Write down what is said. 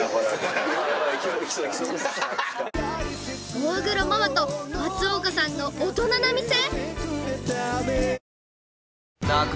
［大黒ママと松岡さんの大人な店！？］